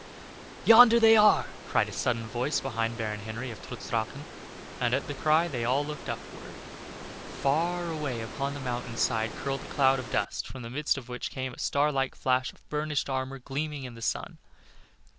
"Yonder they are," cried a sudden voice behind Baron Henry of Trutz Drachen, and at the cry all looked upward. Far away upon the mountain side curled a cloud of dust, from the midst of which came the star like flash of burnished armor gleaming in the sun.